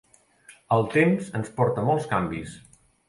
El temps ens porta molts canvis.